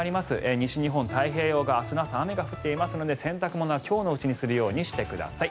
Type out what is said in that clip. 西日本の太平洋側は明日の朝、雨が降っていますので洗濯物は今日のうちにするようにしてください。